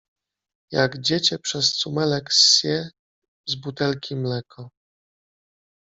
Jak dziecię przez cumelek ssie z butelki mleko